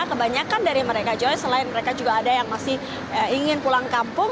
kebanyakan dari mereka joy selain mereka juga ada yang masih ingin pulang kampung